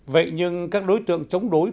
vậy nhưng các đối tượng chống đối